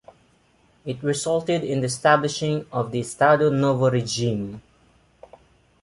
It resulted in the establishing of the Estado Novo regime.